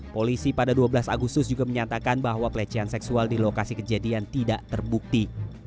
polisi pada dua belas agustus juga menyatakan bahwa pelecehan seksual di lokasi kejadian tidak terbukti